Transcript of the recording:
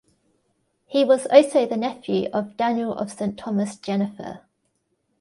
He was also the nephew of Daniel of Saint Thomas Jenifer.